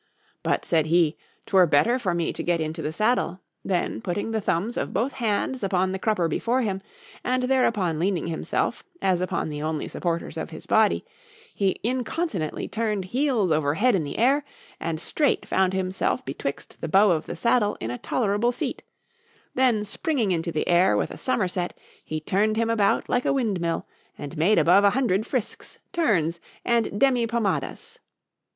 _—But, said he, 'twere better for me to get into the saddle; then putting the thumbs of both hands upon the crupper before him, and there upon leaning himself, as upon the only supporters of his body, he incontinently turned heels over head in the air, and strait found himself betwixt the bow of the saddle in a tolerable seat; then springing into the air with a summerset, he turned him about like a wind mill, and made above a hundred frisks, turns, and demi pommadas."